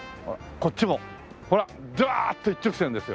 こっちもほらダアッと一直線ですよ。